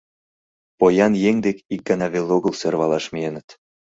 Поян еҥ дек ик гана веле огыл сӧрвалаш миеныт.